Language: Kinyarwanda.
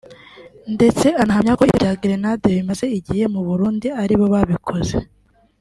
ndetse anahamya ko ibitero bya gerenade bimaze igihe mu Burundi ari bo babikoze